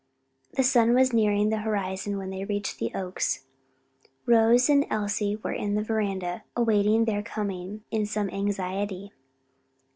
The sun was nearing the horizon when they reached the Oaks. Rose and Elsie were in the veranda awaiting their coming in some anxiety.